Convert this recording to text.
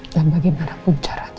dan bagaimanapun cara itu